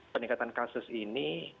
peningkatan kasus ini